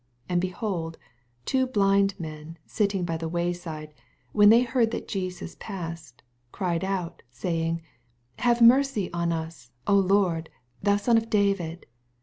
80 And, behold, two blind men Bitting by the way side, when they heara that Jesus passed oy, cried out, saying, Have mercy on us, O Lord, ihou sou of David.